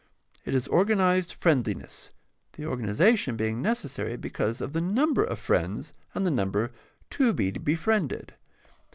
It is organized friend liness, the organization being necessary because of the number of friends and the number to be befriended.